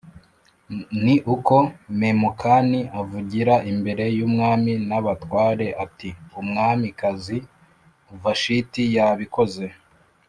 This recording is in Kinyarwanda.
Ni uko Memukani avugira imbere y’umwami n’abatware ati umwamikazi Vashiti yabikoze